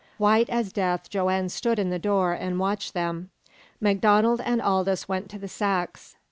White as death Joanne stood in the door and watched them. MacDonald and Aldous went to the sacks.